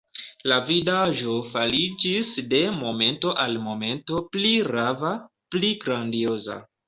La vidaĵo fariĝis de momento al momento pli rava, pli grandioza.